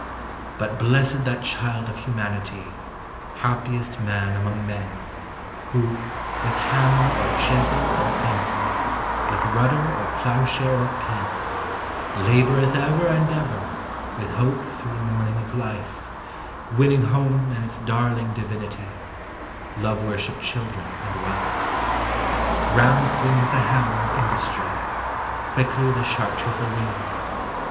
Hut blessed that child of humanity, happiest man among men, Who, with hammer or chisel or pencil, with rud der or ploughshare or pen, 328 POEMS OF HOME Laboreth ever and ever with hope through the morning of life, Winning home and its darling divinities ,— love worshipittd children and wife. Round swings the hammer of industry, quickly the sharp chisel rings.